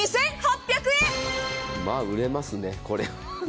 まあ売れますね、これはね。